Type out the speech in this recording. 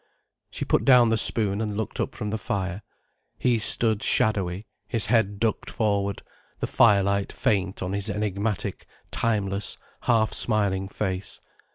She put down the spoon and looked up from the fire. He stood shadowy, his head ducked forward, the firelight faint on his enigmatic, timeless, half smiling face.